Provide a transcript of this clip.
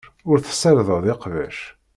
Ur tessardeḍ iqbac.